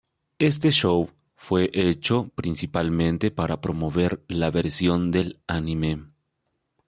Este show fue hecho principalmente para promover la versión del anime.